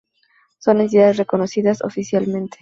Son entidades reconocidas oficialmente.